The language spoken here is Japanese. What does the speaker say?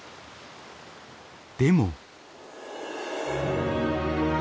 でも。